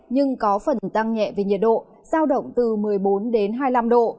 nhưng có phần tăng nhẹ về nhiệt độ giao động từ một mươi bốn đến hai mươi năm độ